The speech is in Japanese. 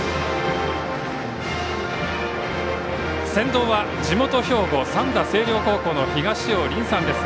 先導は、地元・兵庫三田西陵高校の東尾凜さんです。